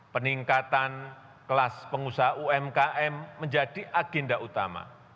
peningkatan kelas pengusaha umkm menjadi agenda utama